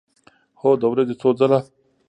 هو، د ورځې څو ځله